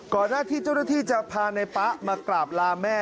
หน้าที่เจ้าหน้าที่จะพาในป๊ะมากราบลาแม่